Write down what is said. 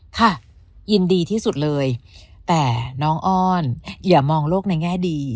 ค่ะยินดีที่สุดเลยแต่น้องอ้อนอย่ามองโลกในแง่ดี